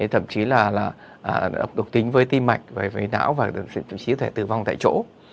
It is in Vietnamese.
thậm chí là độc tính với tim mạch với não và thậm chí có thể tử vong tại chỗ